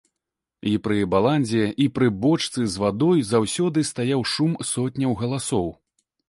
І пры баландзе і пры бочцы з вадой заўсёды стаяў шум сотняў галасоў.